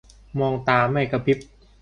มองตาไม่กะพริบ